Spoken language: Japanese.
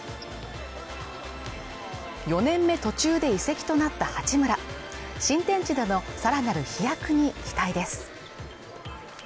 ４年目途中で移籍となった八村新天地でのさらなる飛躍に期待です